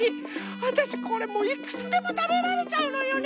わたしこれもういくつでもたべられちゃうのよね。